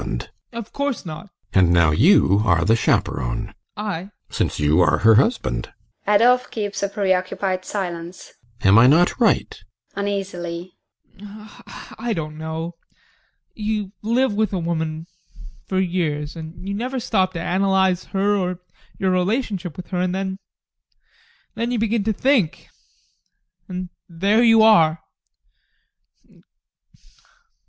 ADOLPH. Of course not. GUSTAV. And now you are the chaperon. ADOLPH. I? GUSTAV. Since you are her husband. (ADOLPH keeps a preoccupied silence.) GUSTAV. Am I not right? ADOLPH. [Uneasily] I don't know. You live with a woman for years, and you never stop to analyse her, or your relationship with her, and then then you begin to think and there you are!